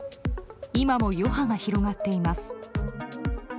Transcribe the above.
今も余波が広がっています。